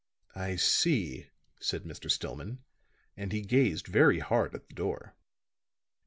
"I see," said Mr. Stillman; and he gazed very hard at the door.